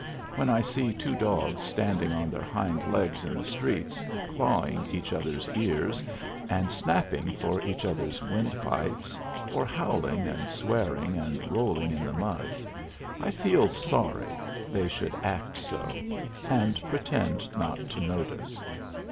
When I see two dogs standing on their hind legs in the streets, clawing each other's ears, and snapping for each other's wind pipes, or howling and swearing and rolling in the mud, I feel sorry they should act so, and pretend not to notice.